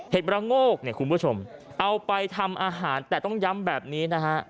ระโงกเนี่ยคุณผู้ชมเอาไปทำอาหารแต่ต้องย้ำแบบนี้นะฮะ